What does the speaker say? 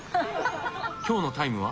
今日のタイムは？